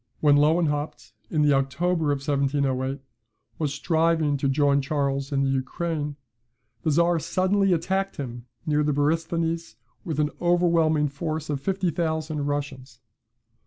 When Lewenhaupt, in the October of 1708, was striving to join Charles in the Ukraine, the Czar suddenly attacked him near the Borysthenes with an overwhelming force of fifty thousand Russians.